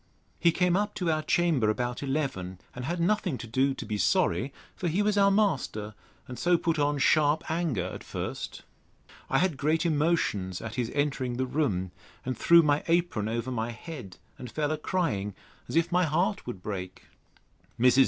He came up to our chamber about eleven, and had nothing to do to be sorry; for he was our master, and so put on sharp anger at first. I had great emotions at his entering the room, and threw my apron over my head, and fell a crying, as if my heart would break. Mrs.